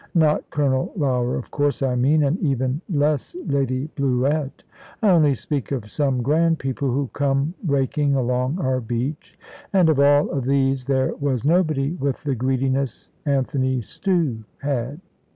Not Colonel Lougher, of course, I mean, and even less Lady Bluett. I only speak of some grand people who come raking along our beach. And of all of these there was nobody with the greediness Anthony Stew had.